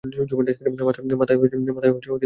মাথায় আঘাত করো!